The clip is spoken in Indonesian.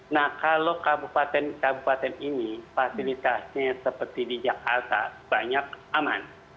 nah kalau kabupaten kabupaten ini fasilitasnya seperti di jakarta banyak aman